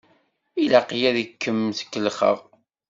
Ilaq-iyi ad kem-kellexeɣ!